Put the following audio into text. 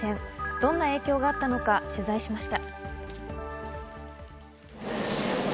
どんな影響があったのか取材しました。